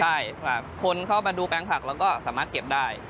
ใช่คนเข้ามาดูแปลงผักเราก็สามารถเก็บได้